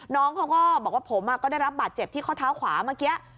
น้องเขาก็บอกว่าผมก็ได้รับบาดเจ็บที่ข้อเท้าขวาเมื่อกี้